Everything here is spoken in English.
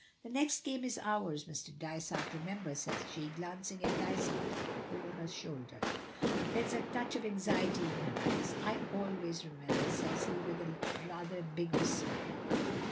"The next game is ours, Mr. Dysart, remember," says she, glancing at Dysart over her shoulder. There is a touch of anxiety in her eyes. "I always remember," says he, with a rather ambiguous smile.